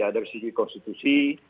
dari segi konstitusi